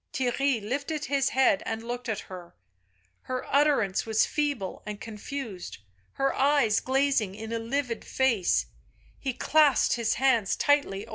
Theirry lifted his head and looked at her, her utter ance was feeble and confused, her eyes glazing in a livid face ; he clasped his hands tightly over hers.